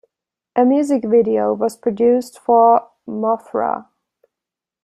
A music video was produced for "Mothra".